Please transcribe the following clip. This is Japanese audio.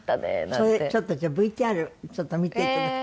それちょっとじゃあＶＴＲちょっと見て頂きます。